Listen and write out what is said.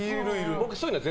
僕、そういうのは